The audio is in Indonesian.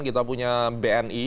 kita punya bni